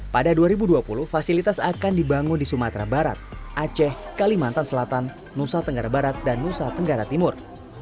pada dua ribu dua puluh fasilitas akan dibangun di sumatera barat aceh kalimantan selatan nusa tenggara barat dan nusa tenggara timur